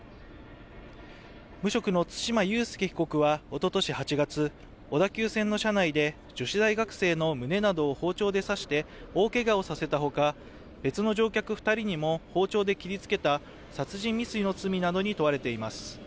無職の対馬悠介被告はおととし８月、小田急線の車内で女子大学生の胸などを包丁で刺して大けがをさせたほか、別の乗客２人にも包丁で切りつけた殺人未遂の罪などに問われています。